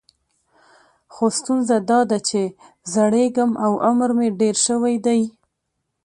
خو ستونزه دا ده چې زړیږم او عمر مې ډېر شوی دی.